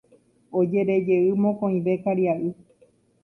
Ojerejey mokõive karia'y.